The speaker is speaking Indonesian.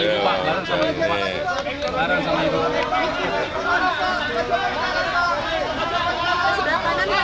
sudah kanan pak